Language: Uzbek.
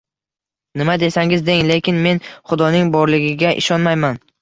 Nima desangiz deng, lekin men Xudoning borligiga ishonmayman